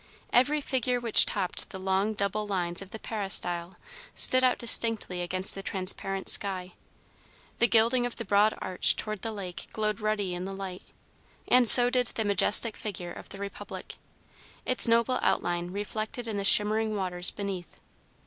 Every figure which topped the long double lines of the Peristyle stood out distinctly against the transparent sky; the gilding of the broad arch toward the lake glowed ruddy in the light, and so did the majestic figure of the Republic, its noble outline reflected in the shimmering waters beneath.